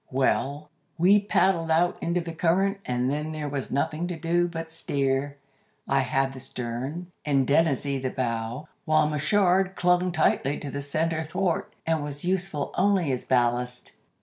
"Well, we paddled out into the current, and then there was nothing to do but steer. I had the stern, and Dennazee the bow, while Machard clung tightly to the centre thwart, and was useful only as ballast.